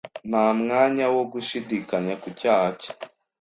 Nta mwanya wo gushidikanya ku cyaha cye.